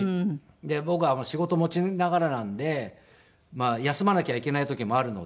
で僕は仕事持ちながらなので休まなきゃいけない時もあるので。